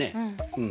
うん。